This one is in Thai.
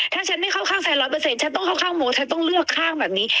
ถ้าฉันไม่เข้าข้างแฟน๑๐๐ฉันต้องเข้าข้างโมฉันต้องเลือกข้างแบบนี้